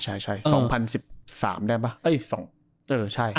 ใช่๒๐๑๓ได้ป่ะใช่